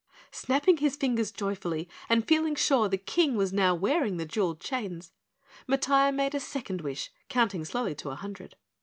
Snapping his fingers joyfully and feeling sure the King was now wearing the jeweled chains, Matiah made a second wish, counting slowly to a hundred.